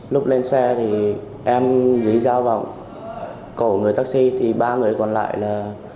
lúc lên xe thì em dưới dao vào cổ người taxi thì ba người còn lại là